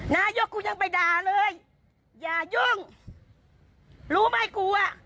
นายกกูยังไปด่าเลยอย่ายุ่งรู้ไหมกูอ่ะ